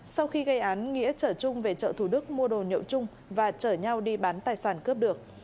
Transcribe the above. sau khi gây án nghĩa trở trung về chợ thủ đức mua đồ nhậu chung và chở nhau đi bán tài sản cướp được